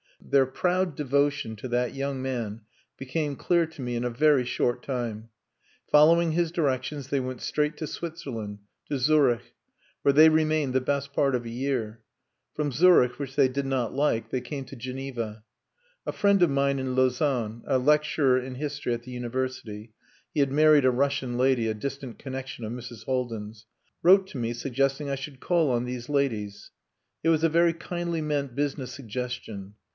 Their proud devotion to that young man became clear to me in a very short time. Following his directions they went straight to Switzerland to Zurich where they remained the best part of a year. From Zurich, which they did not like, they came to Geneva. A friend of mine in Lausanne, a lecturer in history at the University (he had married a Russian lady, a distant connection of Mrs. Haldin's), wrote to me suggesting I should call on these ladies. It was a very kindly meant business suggestion.